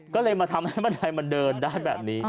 ก็เลยมาทำให้บันไดมันเดินได้แบบนี้